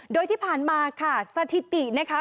โดยที่ผ่านมาค่ะสถิตินะคะ